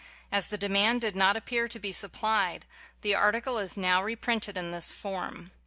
As the demand did not appear to be supplied, the article is now re printed in this form.